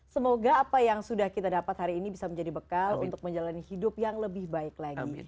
semoga apa yang sudah kita dapat hari ini bisa menjadi bekas untuk kita berjaya berjaya berjaya